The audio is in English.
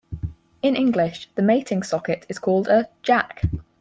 In English, the mating socket is called a "jack".